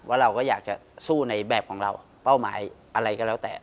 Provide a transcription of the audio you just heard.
ว่าเราก็อยากจะสู้ในแบบของเราเป้าหมายอะไรก็แล้วแต่